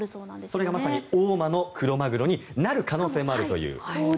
これがまさに大間のクロマグロになる可能性もあるという。